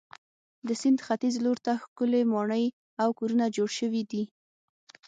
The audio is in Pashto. د سیند ختیځ لور ته ښکلې ماڼۍ او کورونه جوړ شوي دي.